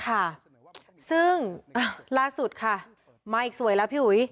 ค่ะซึ่งล่าสุดค่ะมาอีกสวยแล้วพี่อุ๋ย